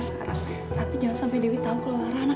sampai jumpa di video selanjutnya